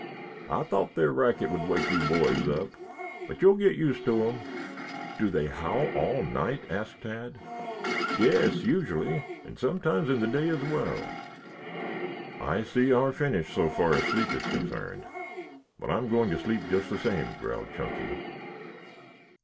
"I thought their racket would wake you boys up. But you will get used to them." "Do they howl all night?" asked Tad. "Yes, usually, and sometimes in the day as well." "I see our finish so far as sleep is concerned. But I am going to sleep just the same," growled Chunky.